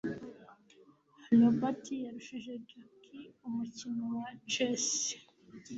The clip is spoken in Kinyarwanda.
robert yarushije jack umukino wa chess